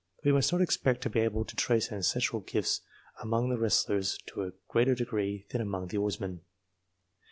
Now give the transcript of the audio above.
We must not expect to be able to trace ancestral gifts among the wrestlers to a greater degree than among the oarsmen.